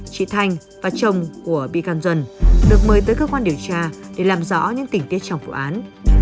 chị thanh và chồng của bị can duẩn được mời tới cơ quan điều tra để làm rõ những tình tiết trong vụ án